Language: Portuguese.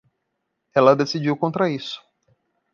ela decidiu contra isso.